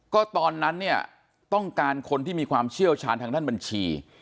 ก็ตอนนั้นเนี่ยต้องการคนที่มีความเชี่ยวชาญทางด้านบัญชี